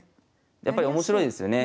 やっぱり面白いですよね。